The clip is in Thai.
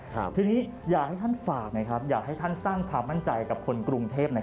ทีนี้อยากให้ท่านฝากอยากให้ท่านสร้างความมั่นใจกับคนกรุงเทพ